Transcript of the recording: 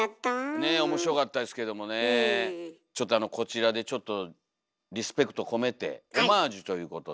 ちょっとこちらでリスペクトこめてオマージュということで。